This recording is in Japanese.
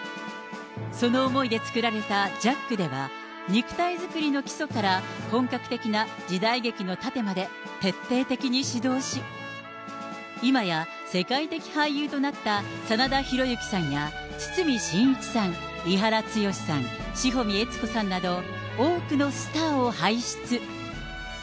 その思いで作られたＪＡＣでは肉体作りの基礎から本格的な時代劇のタテまで徹底的に指導し、いまや世界的俳優となった真田広之さんや堤真一さん、伊原剛志さん、志穂美悦子さんなど、多くのスターを輩出。